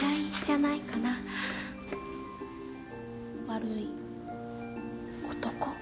悪い男。